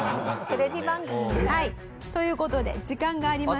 テレビ番組みたい。という事で時間がありません。